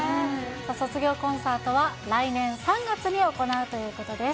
卒業コンサートは、来年３月に行われるということです。